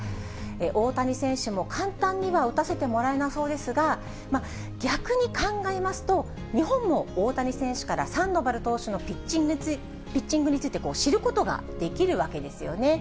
大谷選手も、簡単には打たせてもらえなそうですが、逆に考えますと、日本も大谷選手からサンドバル投手のピッチングについて知ることができるわけですよね。